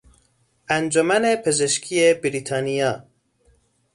انجمن پزشکی بریتانیا